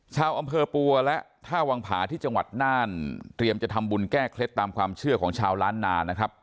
ชาวอำเภอปัวและท่าวังผาที่จังหวัดน่านเตรียมจะทำบุญแก้เคล็ดตามความเชื่อของชาวล้านนานะครับ